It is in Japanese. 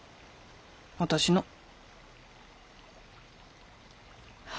私の。